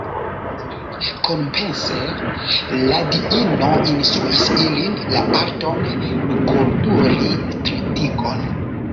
Kompense, la diino instruis ilin la arton kulturi tritikon.